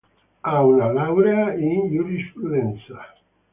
Ha una laurea in giurisprudenza.